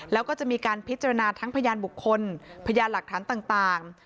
แล้วก็จะมีการพิจารณาทั้งพยานบุคคลพยานหลักฐานต่าง